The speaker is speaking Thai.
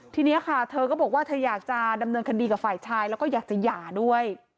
ทีนี้ค่ะเธอก็บอกว่าเธออยากจะดำเนินคดีกับฝ่ายชายแล้วก็อยากจะหย่าด้วย